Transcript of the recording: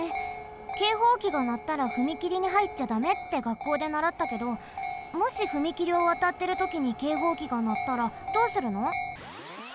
けいほうきがなったらふみきりにはいっちゃだめってがっこうでならったけどもしふみきりをわたってるときにけいほうきがなったらどうするの？